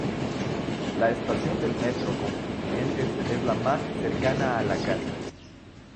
La estación del metro Constituyentes es la más cercana a la casa.